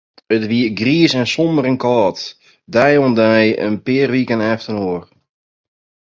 It wie griis en somber en kâld, dei oan dei, in pear wike efterinoar.